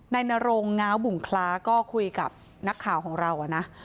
นรงง้าวบุ่งคล้าก็คุยกับนักข่าวของเรานะ